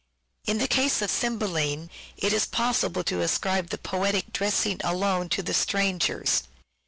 In the case of " Cymbeline " it is possible to ascribe the poetic dressing alone to the strangers.